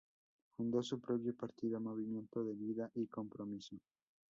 Fundó su propio partido, Movimiento de Vida y Compromiso.